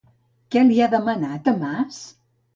Què li ha demanat a Mas?